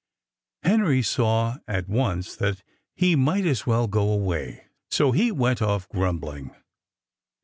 Henry saw at once that he might as well go away. So he went off grumbling.